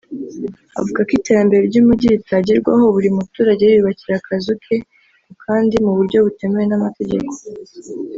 Avuga ko iterambere ry’umujyi ritagerwaho buri muturage yiyubakira akazu ke ku kandi mu buryo butemewe n’amategeko